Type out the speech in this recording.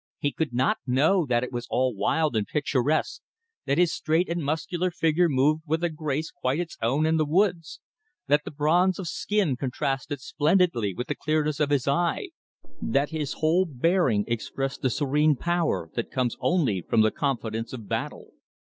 He could not know that it was all wild and picturesque, that his straight and muscular figure moved with a grace quite its own and the woods', that the bronze of his skin contrasted splendidly with the clearness of his eye, that his whole bearing expressed the serene power that comes only from the confidence of battle.